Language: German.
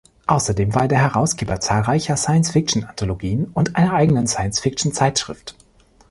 Außerdem war er der Herausgeber zahlreicher Science-Fiction-Anthologien und einer eigenen Science-Fiction-Zeitschrift.